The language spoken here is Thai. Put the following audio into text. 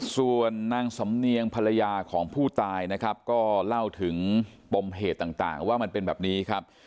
ส่วนนางสำเนียงภรรยาของผู้ตายนะครับก็เล่าถึงปมเหตุต่างว่ามันเป็นแบบนี้ครับ